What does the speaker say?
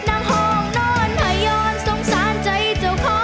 นั่งห้องนอนพยอนสงสารใจเจ้าของ